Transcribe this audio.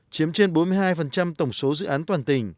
chiếm trên bốn mươi hai tổng số dự án toàn tỉnh